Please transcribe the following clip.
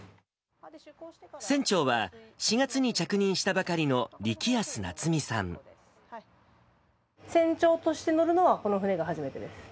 船長は４月に着任したばかり船長として乗るのは、この船が初めてです。